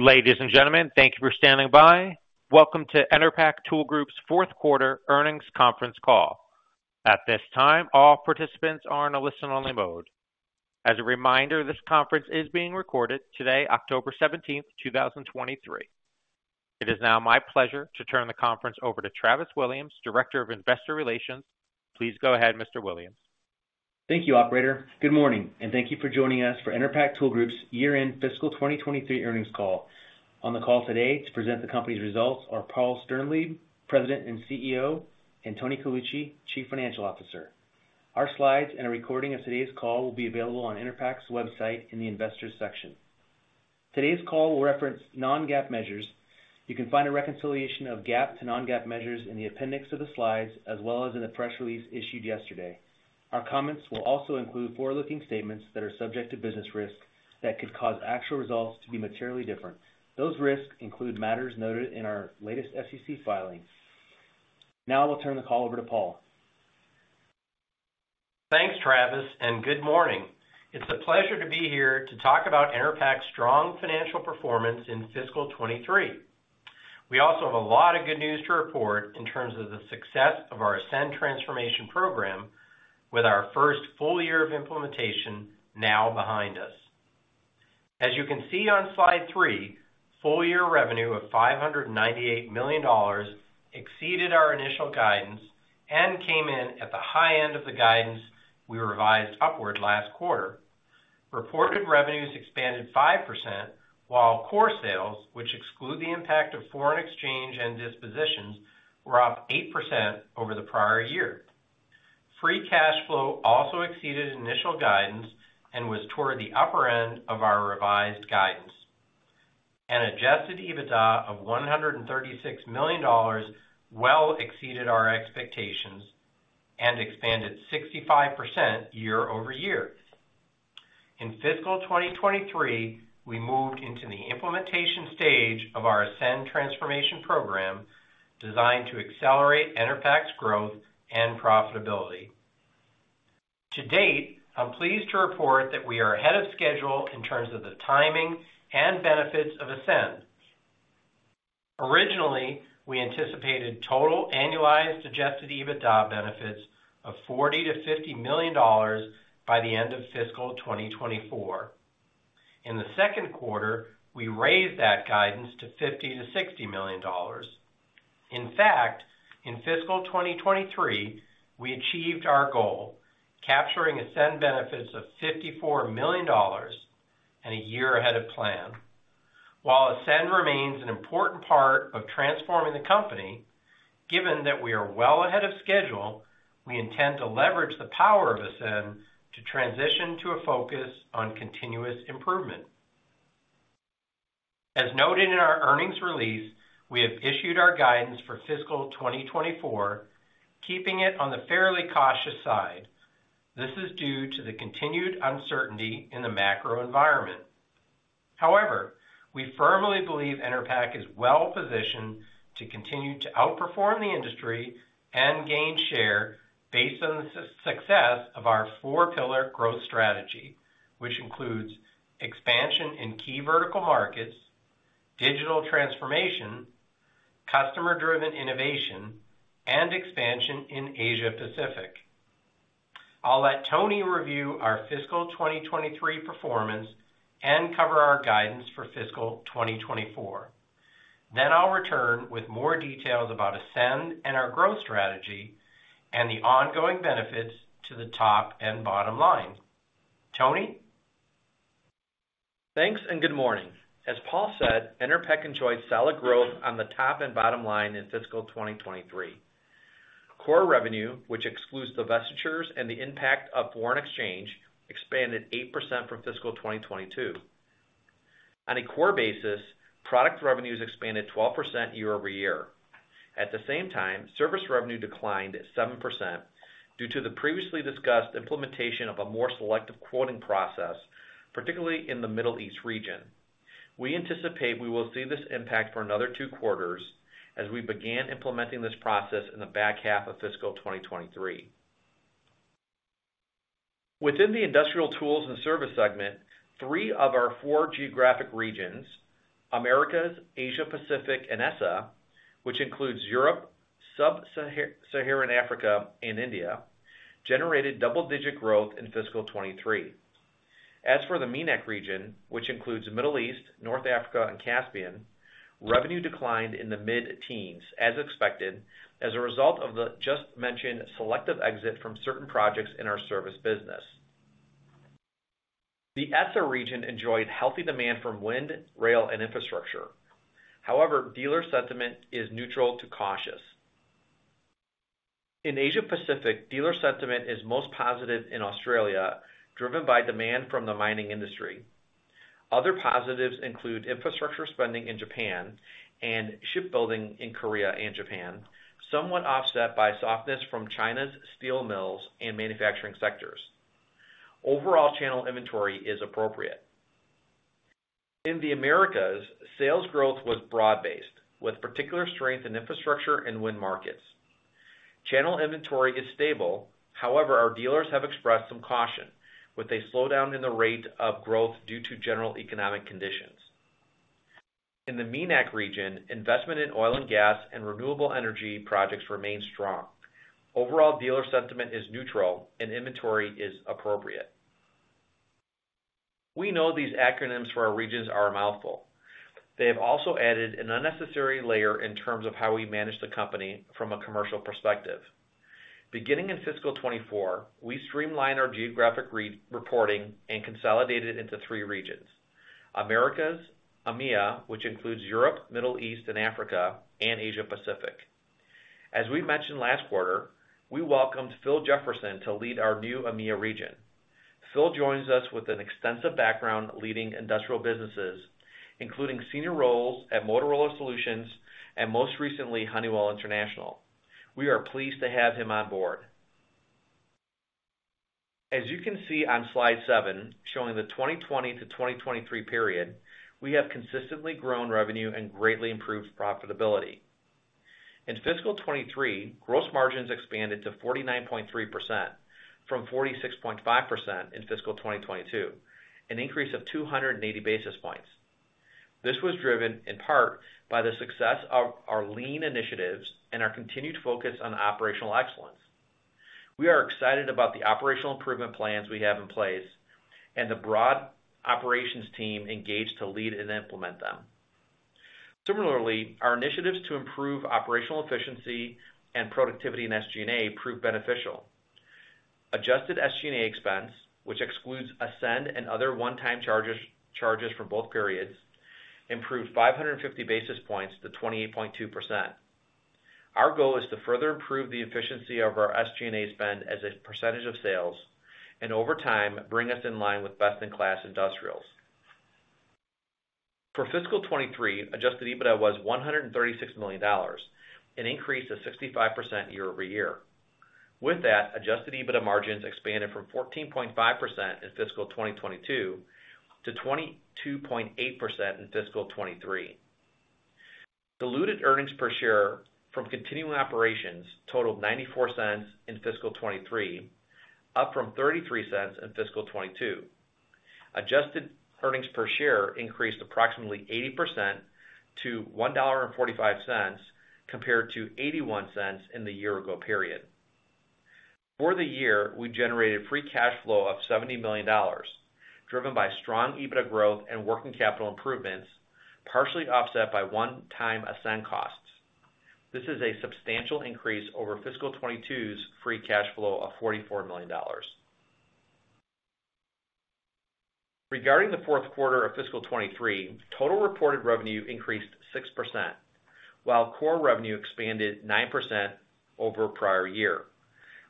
Ladies and gentlemen, thank you for standing by. Welcome to Enerpac Tool Group's fourth quarter earnings conference call. At this time, all participants are in a listen-only mode. As a reminder, this conference is being recorded today, October 17th, 2023. It is now my pleasure to turn the conference over to Travis Williams, Director of Investor Relations. Please go ahead, Mr. Williams. Thank you, operator. Good morning, and thank you for joining us for Enerpac Tool Group's Year-end Fiscal 2023 Earnings Call. On the call today to present the company's results are Paul Sternlieb, President and CEO, and Tony Colucci, Chief Financial Officer. Our slides and a recording of today's call will be available on Enerpac's website in the Investors section. Today's call will reference non-GAAP measures. You can find a reconciliation of GAAP to non-GAAP measures in the appendix of the slides, as well as in the press release issued yesterday. Our comments will also include forward-looking statements that are subject to business risks that could cause actual results to be materially different. Those risks include matters noted in our latest SEC filings. Now I will turn the call over to Paul. Thanks, Travis, and good morning. It's a pleasure to be here to talk about Enerpac's strong financial performance in fiscal 2023. We also have a lot of good news to report in terms of the success of our ASCEND transformation program, with our first full year of implementation now behind us. As you can see on slide 3, full year revenue of $598 million exceeded our initial guidance and came in at the high end of the guidance we revised upward last quarter. Reported revenues expanded 5%, while core sales, which exclude the impact of foreign exchange and dispositions, were up 8% over the prior year. Free cash flow also exceeded initial guidance and was toward the upper end of our revised guidance. An adjusted EBITDA of $136 million well exceeded our expectations and expanded 65% year-over-year. In fiscal 2023, we moved into the implementation stage of our ASCEND transformation program, designed to accelerate Enerpac's growth and profitability. To date, I'm pleased to report that we are ahead of schedule in terms of the timing and benefits of ASCEND. Originally, we anticipated total annualized Adjusted EBITDA benefits of $40 million-$50 million by the end of fiscal 2024. In the second quarter, we raised that guidance to $50 million-$60 million. In fact, in fiscal 2023, we achieved our goal, capturing ASCEND benefits of $54 million and a year ahead of plan. While ASCEND remains an important part of transforming the company, given that we are well ahead of schedule, we intend to leverage the power of ASCEND to transition to a focus on continuous improvement. As noted in our earnings release, we have issued our guidance for fiscal 2024, keeping it on the fairly cautious side. This is due to the continued uncertainty in the macro environment. However, we firmly believe Enerpac is well positioned to continue to outperform the industry and gain share based on the success of our four pillar growth strategy, which includes expansion in key vertical markets, digital transformation, customer-driven innovation, and expansion in Asia Pacific. I'll let Tony review our fiscal 2023 performance and cover our guidance for fiscal 2024. Then I'll return with more details about ASCEND and our growth strategy, and the ongoing benefits to the top and bottom line. Tony? Thanks, and good morning. As Paul said, Enerpac enjoyed solid growth on the top and bottom line in fiscal 2023. Core revenue, which excludes divestitures and the impact of foreign exchange, expanded 8% from fiscal 2022. On a core basis, product revenues expanded 12% year-over-year. At the same time, service revenue declined 7% due to the previously discussed implementation of a more selective quoting process, particularly in the Middle East region. We anticipate we will see this impact for another two quarters as we began implementing this process in the back half of fiscal 2023. Within the industrial tools and service segment, three of our four geographic regions, Americas, Asia Pacific, and EASA, which includes Europe, Sub-Saharan Africa, and India, generated double-digit growth in fiscal 2023. As for the MENAC region, which includes Middle East, North Africa, and Caspian, revenue declined in the mid-teens as expected, as a result of the just mentioned selective exit from certain projects in our service business. The EASA region enjoyed healthy demand from wind, rail, and infrastructure. However, dealer sentiment is neutral to cautious. In Asia Pacific, dealer sentiment is most positive in Australia, driven by demand from the mining industry. Other positives include infrastructure spending in Japan and shipbuilding in Korea and Japan, somewhat offset by softness from China's steel mills and manufacturing sectors. Overall, channel inventory is appropriate. In the Americas, sales growth was broad-based, with particular strength in infrastructure and wind markets. Channel inventory is stable. However, our dealers have expressed some caution with a slowdown in the rate of growth due to general economic conditions. In the MENAC region, investment in oil and gas and renewable energy projects remain strong. Overall, dealer sentiment is neutral and inventory is appropriate. We know these acronyms for our regions are a mouthful. They have also added an unnecessary layer in terms of how we manage the company from a commercial perspective. Beginning in fiscal 2024, we streamlined our geographic re-reporting and consolidated it into three regions: Americas, EMEA, which includes Europe, Middle East, and Africa, and Asia Pacific. As we mentioned last quarter, we welcomed Phil Jefferson to lead our new EMEA region. Phil joins us with an extensive background leading industrial businesses, including senior roles at Motorola Solutions and most recently, Honeywell International. We are pleased to have him on board. As you can see on Slide seven, showing the 2020 to 2023 period, we have consistently grown revenue and greatly improved profitability. In fiscal 2023, gross margins expanded to 49.3% from 46.5% in fiscal 2022, an increase of 280 basis points. This was driven in part by the success of our lean initiatives and our continued focus on operational excellence. We are excited about the operational improvement plans we have in place and the broad operations team engaged to lead and implement them. Similarly, our initiatives to improve operational efficiency and productivity in SG&A proved beneficial. Adjusted SG&A expense, which excludes ASCEND and other one-time charges, charges from both periods, improved 550 basis points to 28.2%. Our goal is to further improve the efficiency of our SG&A spend as a percentage of sales and over time, bring us in line with best-in-class industrials. For fiscal 2023, adjusted EBITDA was $136 million, an increase of 65% year-over-year. With that, adjusted EBITDA margins expanded from 14.5% in fiscal 2022 to 22.8% in fiscal 2023. Diluted earnings per share from continuing operations totaled $0.94 in fiscal 2023, up from $0.33 in fiscal 2022. Adjusted earnings per share increased approximately 80% to $1.45, compared to $0.81 in the year ago period. For the year, we generated free cash flow of $70 million, driven by strong EBITDA growth and working capital improvements, partially offset by one-time ASCEND costs. This is a substantial increase over fiscal 2022's free cash flow of $44 million. Regarding the fourth quarter of fiscal 2023, total reported revenue increased 6%, while Core Revenue expanded 9% over prior year.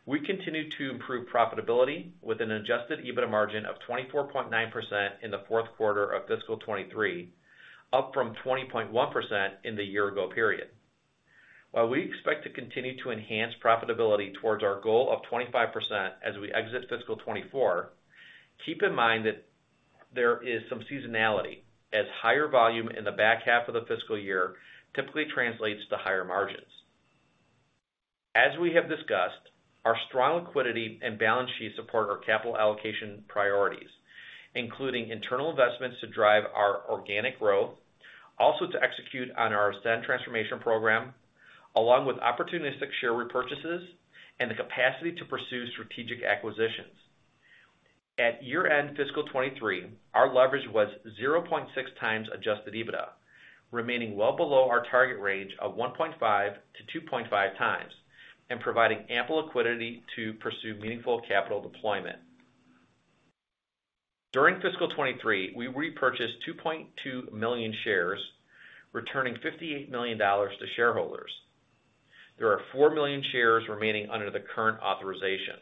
We continued to improve profitability with an Adjusted EBITDA margin of 24.9% in the fourth quarter of fiscal 2023, up from 20.1% in the year ago period. While we expect to continue to enhance profitability towards our goal of 25% as we exit fiscal 2024, keep in mind that there is some seasonality, as higher volume in the back half of the fiscal year typically translates to higher margins. As we have discussed, our strong liquidity and balance sheet support our capital allocation priorities, including internal investments to drive our organic growth, also to execute on our ASCEND transformation program, along with opportunistic share repurchases and the capacity to pursue strategic acquisitions. At year-end fiscal 2023, our leverage was 0.6x Adjusted EBITDA, remaining well below our target range of 1.5-2.5x, and providing ample liquidity to pursue meaningful capital deployment. During fiscal 2023, we repurchased 2.2 million shares, returning $58 million to shareholders. There are 4 million shares remaining under the current authorization.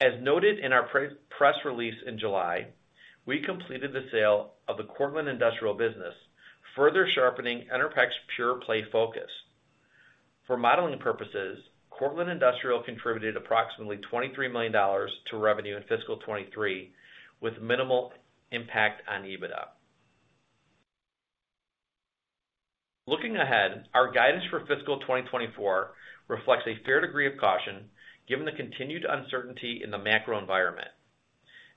As noted in our press release in July, we completed the sale of the Cortland Industrial business, further sharpening Enerpac's pure-play focus. For modeling purposes, Cortland Industrial contributed approximately $23 million to revenue in fiscal 2023, with minimal impact on EBITDA. Looking ahead, our guidance for fiscal 2024 reflects a fair degree of caution, given the continued uncertainty in the macro environment.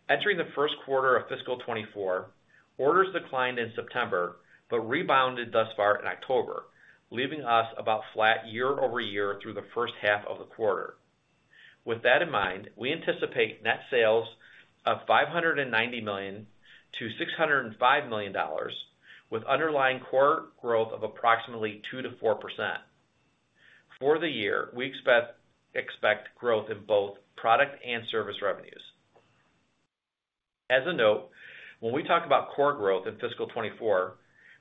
Entering the first quarter of fiscal 2024, orders declined in September, but rebounded thus far in October, leaving us about flat year-over-year through the first half of the quarter. With that in mind, we anticipate net sales of $590 million-$605 million, with underlying core growth of approximately 2%-4%. For the year, we expect growth in both product and service revenues. As a note, when we talk about core growth in fiscal 2024,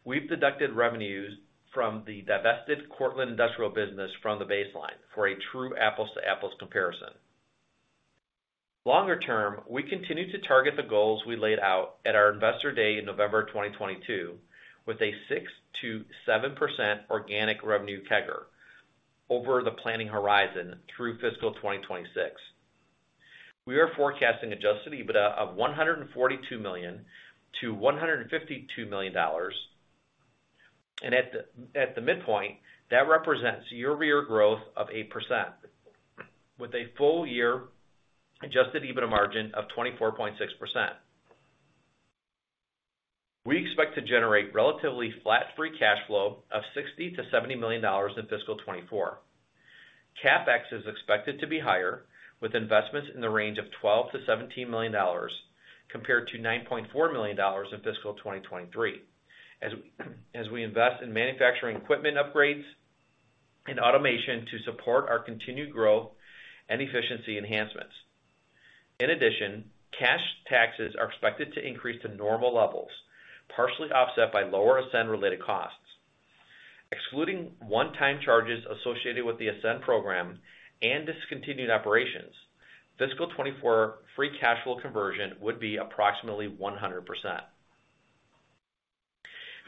we've deducted revenues from the divested Cortland Industrial business from the baseline for a true apples-to-apples comparison. Longer term, we continue to target the goals we laid out at our Investor Day in November 2022, with a 6%-7% organic revenue CAGR over the planning horizon through fiscal 2026. We are forecasting Adjusted EBITDA of $142 million-$152 million. At the midpoint, that represents year-over-year growth of 8%, with a full year Adjusted EBITDA margin of 24.6%. We expect to generate relatively flat free cash flow of $60 million-$70 million in fiscal 2024. CapEx is expected to be higher, with investments in the range of $12 million-$17 million, compared to $9.4 million in fiscal 2023. As we invest in manufacturing equipment upgrades and automation to support our continued growth and efficiency enhancements. In addition, cash taxes are expected to increase to normal levels, partially offset by lower ASCEND-related costs. Excluding one-time charges associated with the Ascend program and discontinued operations, fiscal 2024 free cash flow conversion would be approximately 100%.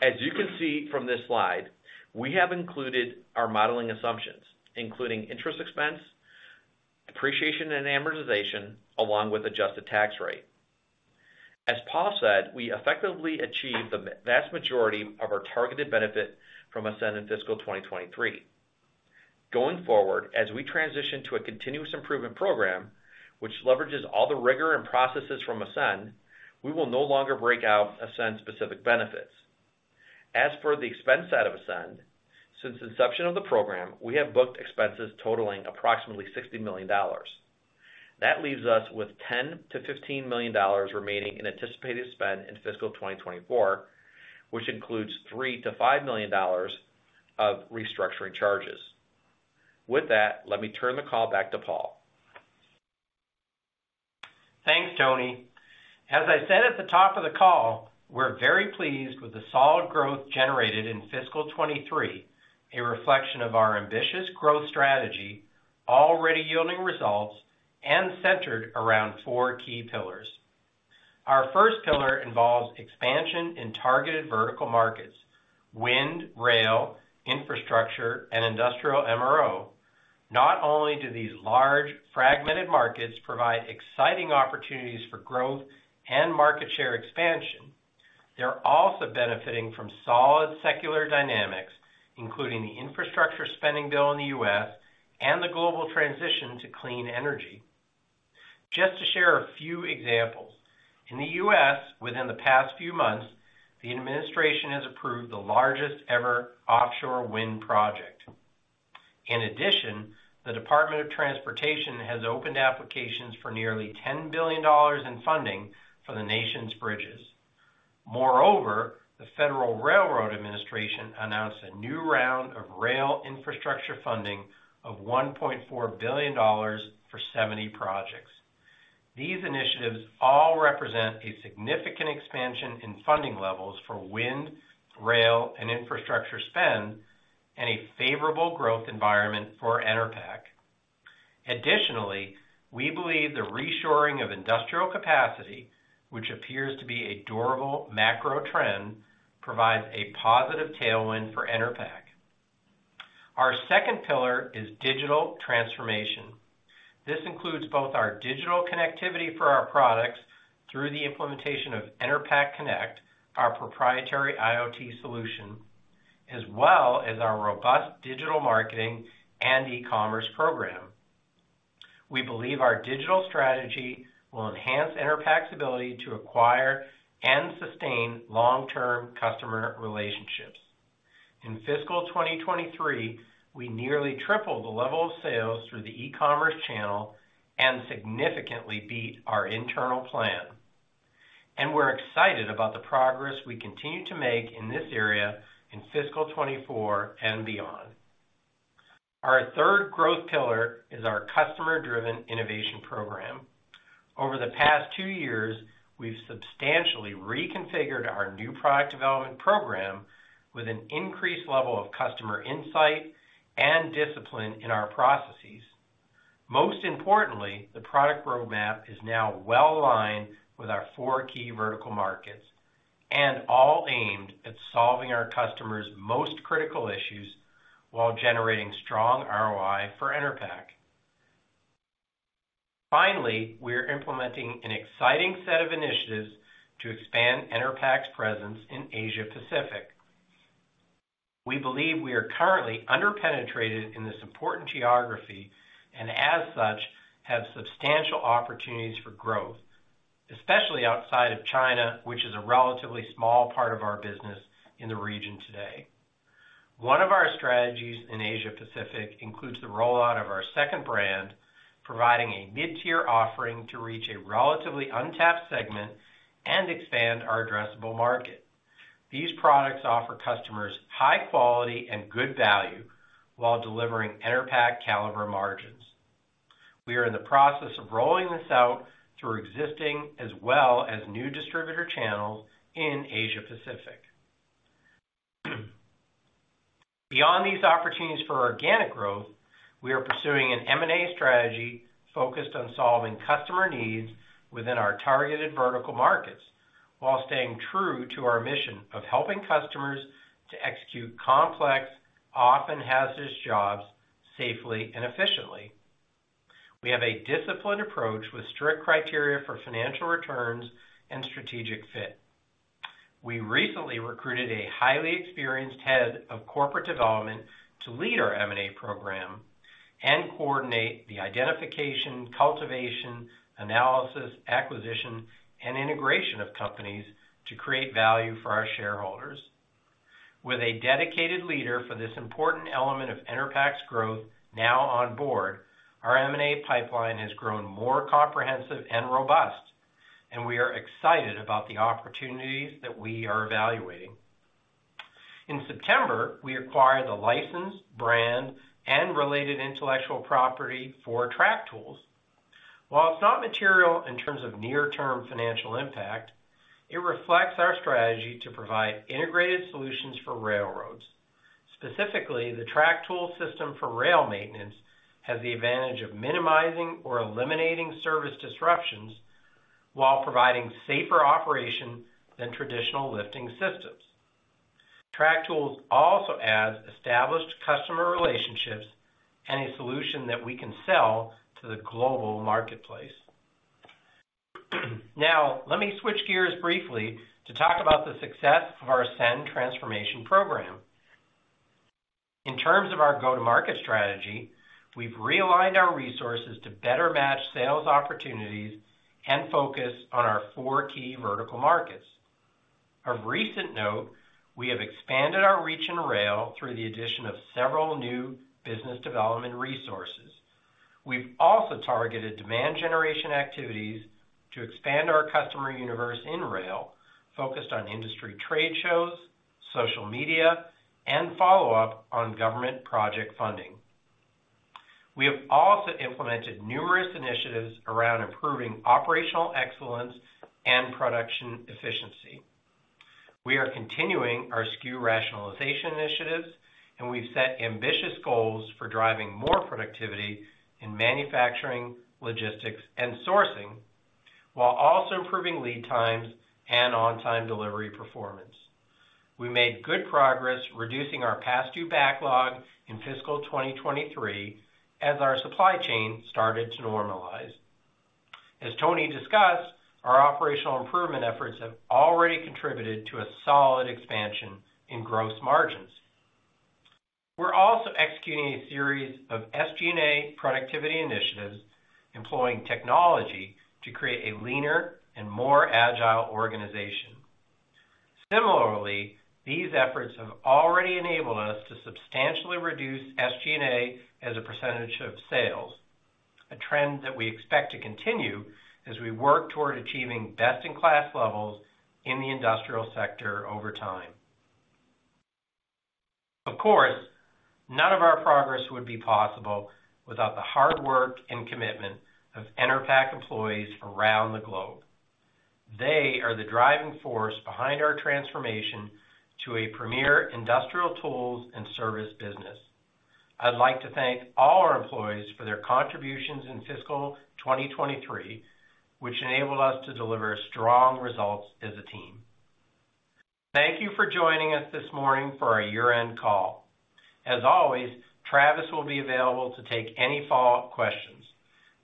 As you can see from this slide, we have included our modeling assumptions, including interest expense, depreciation and amortization, along with adjusted tax rate. As Paul said, we effectively achieved the vast majority of our targeted benefit from ASCEND in fiscal 2023. Going forward, as we transition to a continuous improvement program, which leverages all the rigor and processes from ASCEND, we will no longer break out ASCEND-specific benefits. As for the expense side of ASCEND, since inception of the program, we have booked expenses totaling approximately $60 million. That leaves us with $10 million-$15 million remaining in anticipated spend in fiscal 2024, which includes $3 million-$5 million of restructuring charges. With that, let me turn the call back to Paul. Thanks, Tony. As I said at the top of the call, we're very pleased with the solid growth generated in fiscal 2023, a reflection of our ambitious growth strategy, already yielding results and centered around four key pillars. Our first pillar involves expansion in targeted vertical markets, wind, rail, infrastructure, and industrial MRO. Not only do these large, fragmented markets provide exciting opportunities for growth and market share expansion, they're also benefiting from solid secular dynamics, including the infrastructure spending bill in the U.S. and the global transition to clean energy. Just to share a few examples: In the U.S., within the past few months, the administration has approved the largest-ever offshore wind project. In addition, the Department of Transportation has opened applications for nearly $10 billion in funding for the nation's bridges. Moreover, the Federal Railroad Administration announced a new round of rail infrastructure funding of $1.4 billion for 70 projects. These initiatives all represent a significant expansion in funding levels for wind, rail, and infrastructure spend, and a favorable growth environment for Enerpac. Additionally, we believe the reshoring of industrial capacity, which appears to be a durable macro trend, provides a positive tailwind for Enerpac. Our second pillar is digital transformation. This includes both our digital connectivity for our products through the implementation of Enerpac Connect, our proprietary IoT solution, as well as our robust digital marketing and e-commerce program. We believe our digital strategy will enhance Enerpac's ability to acquire and sustain long-term customer relationships. In fiscal 2023, we nearly tripled the level of sales through the e-commerce channel and significantly beat our internal plan. We're excited about the progress we continue to make in this area in fiscal 2024 and beyond. Our third growth pillar is our customer-driven innovation program. Over the past two years, we've substantially reconfigured our new product development program with an increased level of customer insight and discipline in our processes. Most importantly, the product roadmap is now well aligned with our four key vertical markets, and all aimed at solving our customers' most critical issues while generating strong ROI for Enerpac. Finally, we are implementing an exciting set of initiatives to expand Enerpac's presence in Asia Pacific. We believe we are currently under-penetrated in this important geography, and as such, have substantial opportunities for growth, especially outside of China, which is a relatively small part of our business in the region today. One of our strategies in Asia Pacific includes the rollout of our second brand, providing a mid-tier offering to reach a relatively untapped segment and expand our addressable market. These products offer customers high quality and good value, while delivering Enerpac caliber margins. We are in the process of rolling this out through existing as well as new distributor channels in Asia Pacific. Beyond these opportunities for organic growth, we are pursuing an M&A strategy focused on solving customer needs within our targeted vertical markets, while staying true to our mission of helping customers to execute complex, often hazardous jobs safely and efficiently. We have a disciplined approach with strict criteria for financial returns and strategic fit. We recently recruited a highly experienced head of corporate development to lead our M&A program and coordinate the identification, cultivation, analysis, acquisition, and integration of companies to create value for our shareholders. With a dedicated leader for this important element of Enerpac's growth now on board, our M&A pipeline has grown more comprehensive and robust, and we are excited about the opportunities that we are evaluating. In September, we acquired the license, brand, and related intellectual property for Track Tools. While it's not material in terms of near-term financial impact, it reflects our strategy to provide integrated solutions for railroads. Specifically, the Track Tool system for rail maintenance has the advantage of minimizing or eliminating service disruptions while providing safer operation than traditional lifting systems. Track Tools also adds established customer relationships and a solution that we can sell to the global marketplace. Now, let me switch gears briefly to talk about the success of our ASCEND transformation program. In terms of our go-to-market strategy, we've realigned our resources to better match sales opportunities and focus on our four key vertical markets. Of recent note, we have expanded our reach in rail through the addition of several new business development resources. We've also targeted demand generation activities to expand our customer universe in rail, focused on industry trade shows, social media, and follow-up on government project funding. We have also implemented numerous initiatives around improving operational excellence and production efficiency. We are continuing our SKU rationalization initiatives, and we've set ambitious goals for driving more productivity in manufacturing, logistics, and sourcing, while also improving lead times and on-time delivery performance. We made good progress reducing our past due backlog in fiscal 2023 as our supply chain started to normalize. As Tony discussed, our operational improvement efforts have already contributed to a solid expansion in gross margins. We're also executing a series of SG&A productivity initiatives, employing technology to create a leaner and more agile organization. Similarly, these efforts have already enabled us to substantially reduce SG&A as a percentage of sales, a trend that we expect to continue as we work toward achieving best-in-class levels in the industrial sector over time. Of course, none of our progress would be possible without the hard work and commitment of Enerpac employees around the globe. They are the driving force behind our transformation to a premier industrial tools and service business. I'd like to thank all our employees for their contributions in fiscal 2023, which enabled us to deliver strong results as a team. Thank you for joining us this morning for our year-end call. As always, Travis will be available to take any follow-up questions.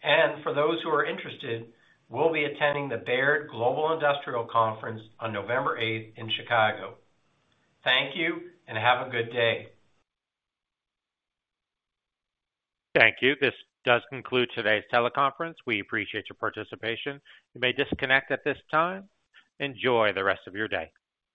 And for those who are interested, we'll be attending the Baird Global Industrial Conference on November 8 in Chicago. Thank you, and have a good day. Thank you. This does conclude today's teleconference. We appreciate your participation. You may disconnect at this time. Enjoy the rest of your day!